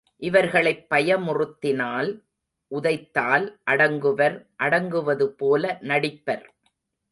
இவர்களைப் பயமுறுத்தினால், உதைத்தால் அடங்குவர் அடங்குவது போல நடிப்பர்.